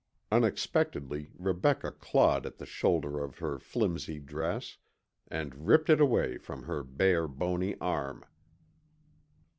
Unexpectedly, Rebecca clawed at the shoulder of her flimsy dress and ripped it away from her bare, bony arm.